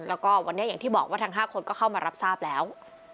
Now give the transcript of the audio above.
แล้วก็วันนี้อย่างที่บอกว่าทั้ง๕คนก็เข้ามารับทราบแล้ว